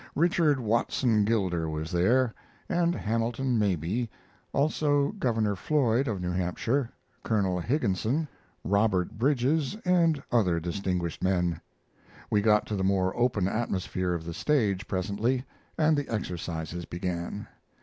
Richard Watson Gilder was there, and Hamilton Mabie; also Governor Floyd of New Hampshire; Colonel Higginson, Robert Bridges, and other distinguished men. We got to the more open atmosphere of the stage presently, and the exercises began.